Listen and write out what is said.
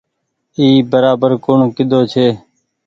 اي برابر ڪوڻ ڪيۮو ڇي۔